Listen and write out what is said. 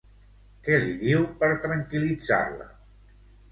Què li diu per tranquil·litzar-la?